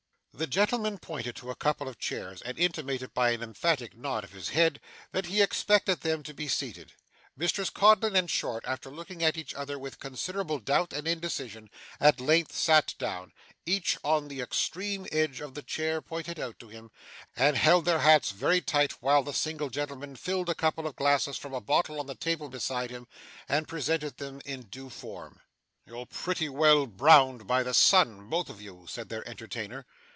The gentleman pointed to a couple of chairs, and intimated by an emphatic nod of his head that he expected them to be seated. Messrs Codlin and Short, after looking at each other with considerable doubt and indecision, at length sat down each on the extreme edge of the chair pointed out to him and held their hats very tight, while the single gentleman filled a couple of glasses from a bottle on the table beside him, and presented them in due form. 'You're pretty well browned by the sun, both of you,' said their entertainer.